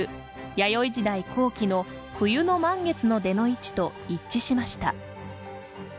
弥生時代後期の冬の満月の出の位置と一致しました。